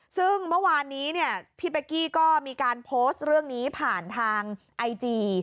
ซึ่งเมื่อวานนี้เนี่ยพี่เป๊กกี้ก็มีการโพสต์เรื่องนี้ผ่านทางไอจี